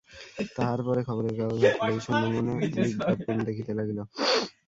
তাহার পরে খবরের কাগজ হাতে লইয়া শূন্যমনে বিজ্ঞাপন দেখিতে লাগিল।